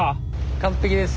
完璧です。